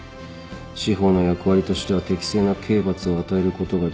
司法の役割としては適正な刑罰を与えることが重要だ。